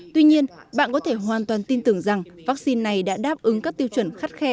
tuy nhiên bạn có thể hoàn toàn tin tưởng rằng vaccine này đã đáp ứng các tiêu chuẩn khắt khe